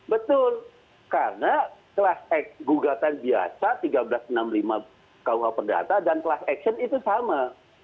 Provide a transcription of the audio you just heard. betul karena kelas gugatan biasa seribu tiga ratus enam puluh lima kuh perdata dan kelas action itu sama